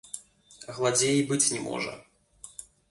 Гладзей і быць не можа.